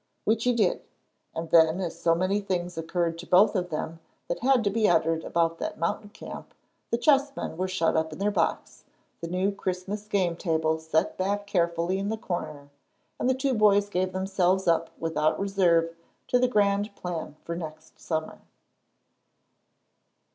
Which he did. And then, as so many things occurred to both of them that had to be uttered about that mountain camp, the chessmen were shut up in their box, the new Christmas game table set back carefully in the corner, and the two boys gave themselves up without reserve to the grand plan for next summer.